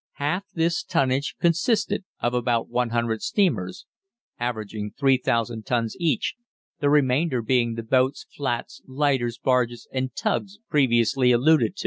Half this tonnage consisted of about 100 steamers, averaging 3,000 tons each, the remainder being the boats, flats, lighters, barges, and tugs previously alluded to.